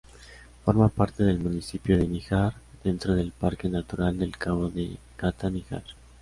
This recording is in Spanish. Forma parte del municipio de Níjar, dentro del parque natural del Cabo de Gata-Níjar.